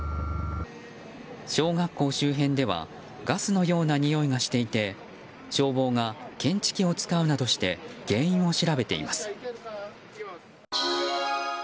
小学校周辺ではガスのようなにおいがしていて消防が検知器を使うなどして原因を調べています。